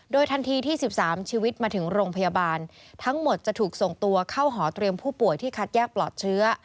โดยทันทีที่๑๓ชีวิตมาถึงโรงพยาบาลทั้งหมดจะถูกส่งตัวเข้าหอเตรียมผู้ป่วยที่คัดแยกปลอดเชื้อ